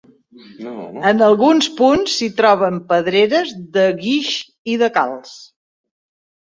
En alguns punts s'hi troben pedreres de guix i de calç.